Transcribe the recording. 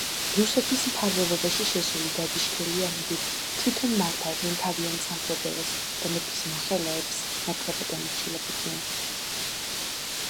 რუსეთის მფარველობაში შესული დადიშქელიანები თვითონ მართავდნენ თავიანთ სამფლობელოს და მეფის მოხელეებს ნაკლებად ემორჩილებოდნენ.